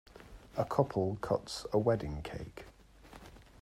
A couple cuts a wedding cake.